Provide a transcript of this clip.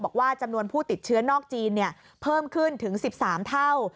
บอกว่าจำนวนผู้ติดเชื้อนอกจีนเพิ่มขึ้นถึง๑๓เท่า